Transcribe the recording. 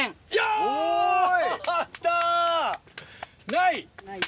ない。